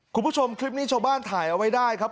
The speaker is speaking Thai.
คุณผู้ชมคลิปนี้ชาวบ้านถ่ายเอาไว้ได้ครับ